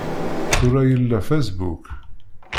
Tura yella Facebook!